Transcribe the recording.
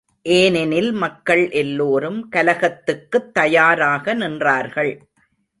ஏனெனில் மக்கள் எல்லோரும் கலகத்துக்குத் தயாராக நின்றார்கள்.